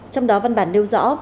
trong đó văn bản nêu rõ